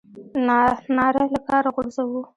ناره له کاره غورځوو.